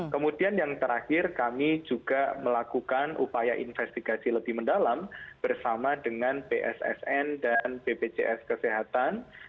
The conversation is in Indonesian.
kemudian yang terakhir kami juga melakukan upaya investigasi lebih mendalam bersama dengan bssn dan bpjs kesehatan